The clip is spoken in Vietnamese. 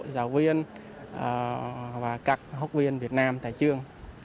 giáo viên và các học viên việt nam tại trường